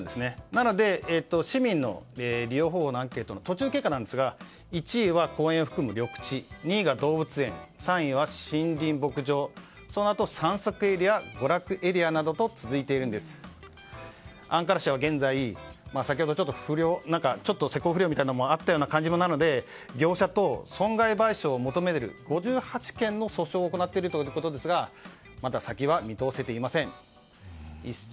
なので、市民の利用方法のアンケートの途中経過なんですが１位は公園を含む緑地２位が動物園３位は森林・農場そのあとは散策エリア娯楽エリアなどと続いていてアンカラ市は現在施工不良みたいなのもあった感じなので業者と損害賠償を求める５８件の訴訟を行っているということですがまだ先は見通せていません。